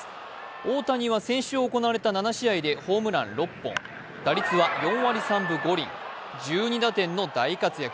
大谷は先週行われた７試合でホームラン６本、打率は４割３分５厘１２打点の大活躍。